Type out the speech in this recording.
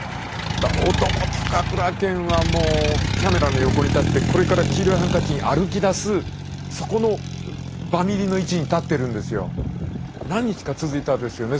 男高倉健はもうキャメラの横に立ってこれから黄色いハンカチに歩きだすそこの何日か続いたですよね。